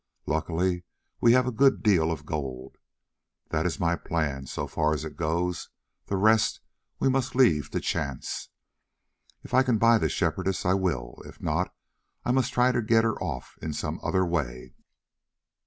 Luckily we have a good deal of gold. That is my plan so far as it goes, the rest we must leave to chance. If I can buy the Shepherdess I will. If not, I must try to get her off in some other way."